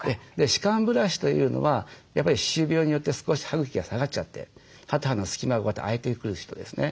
歯間ブラシというのはやっぱり歯周病によって少し歯茎が下がっちゃって歯と歯の隙間がこうやって空いてくる人ですね。